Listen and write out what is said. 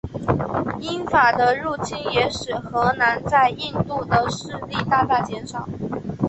英法的入侵也使荷兰在印度的势力大大减少。